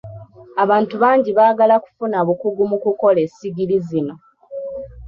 Abantu bangi baagala kufuna bukugu mu kukola essigiri zino.